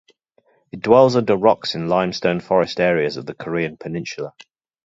It dwells under rocks in limestone forest areas of the Korean peninsula.